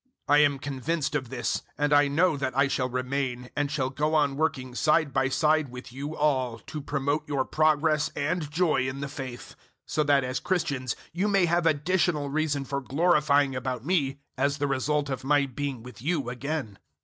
001:025 I am convinced of this, and I know that I shall remain, and shall go on working side by side with you all, to promote your progress and joy in the faith; 001:026 so that, as Christians, you may have additional reason for glorying about me as the result of my being with you again.